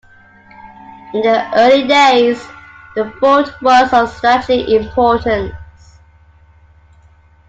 In the early days, the fort was of strategic importance.